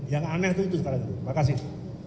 yang aneh itu itu sekarang terima kasih